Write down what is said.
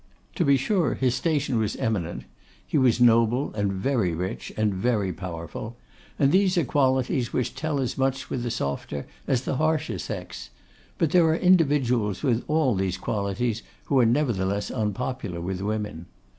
To be sure his station was eminent; he was noble, and very rich, and very powerful, and these are qualities which tell as much with the softer as the harsher sex; but there are individuals with all these qualities who are nevertheless unpopular with women.